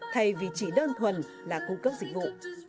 thay vì chỉ đơn thuần là cung cấp dịch vụ